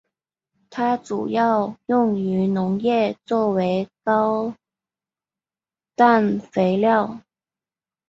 它主要用于农业作为高氮肥料。